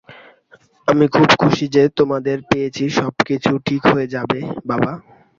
আমি খুব খুশি যে তোমাদের পেয়েছি সব কিছু ঠিক হয়ে যাবে বাবা।